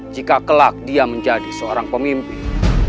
jika kelak dia menjadi seorang pemimpin